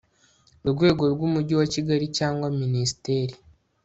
rwego rw umujyi wa kigali cyangwa minisiteri